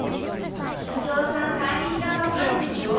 社長さん退院したばっかりでしょ？